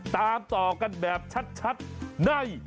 ตามต่อกันแบบชัดใน